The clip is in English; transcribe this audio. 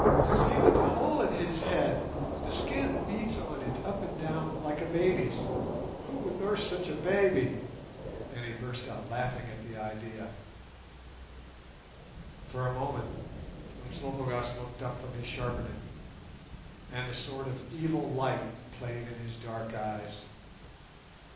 "See but the hole in his head; the skin beats on it up and down like a baby's! Who would nurse such a baby?" and he burst out laughing at the idea. For a moment Umslopogaas looked up from his sharpening, and a sort of evil light played in his dark eyes.